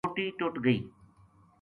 سوٹی ٹُٹ گئی